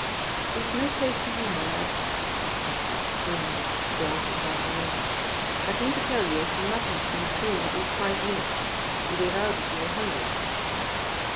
"This is no place for you, my lad," said Mrs. Machin grimly, glancing round the room. "But I came to tell ye as th' mutton's been cooling at least five minutes. You gave out as you were hungry."